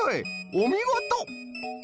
おみごと！